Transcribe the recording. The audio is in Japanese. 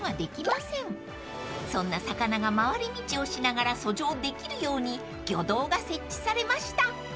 ［そんな魚が回り道をしながら遡上できるように魚道が設置されました］